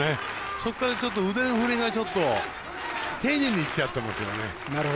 そこから腕の振りが丁寧にいっちゃってますね。